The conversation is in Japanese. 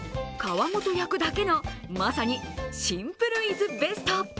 皮ごと焼くだけの、まさにシンプル・イズ・ベスト。